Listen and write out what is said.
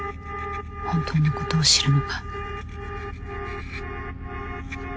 本当のことを知るのが